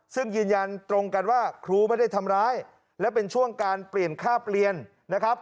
ซึ่งยืนยันตรงกันว่าครูไม่ได้ทำร้ายและเป็นช่วงการเปลี่ยนค่าเปลี่ยนนะครับ